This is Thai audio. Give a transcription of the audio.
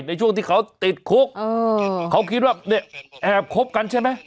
ในช่วงที่เขาติดคุกเขาคิดว่าเนี่ยแอบคบกันใช่ไหม